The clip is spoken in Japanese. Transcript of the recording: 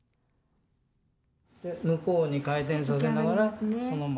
向こうに回転させながら、そのまま。